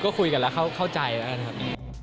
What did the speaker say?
ก็คุยกันแล้วเข้าใจแล้วกันครับ